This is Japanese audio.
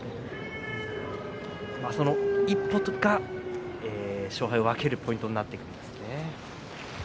その一歩が勝敗を分けるポイントなってくるわけですね。